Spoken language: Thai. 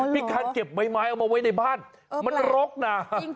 พี่คันเก็บใบไม้เอาไว้ในบ้านมันรกนะ